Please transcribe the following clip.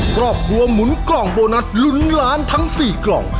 ครอบครัวหมุนกล่องโบนัสลุ้นล้านทั้ง๔กล่อง